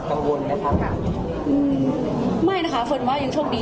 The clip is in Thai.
ออไม่นะคะเฟิร์นว่ายังโชคดี